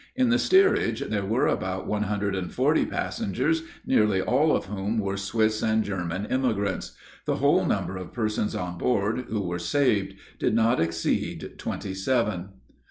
In the steerage there were about one hundred and forty passengers, nearly all of whom were Swiss and German emigrants. The whole number of persons on board, who were saved, did not exceed twenty seven.